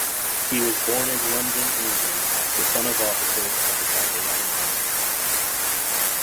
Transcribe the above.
He was born in London, England, the son of officers of The Salvation Army.